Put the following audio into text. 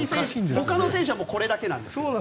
ほかの選手はこれだけなんです。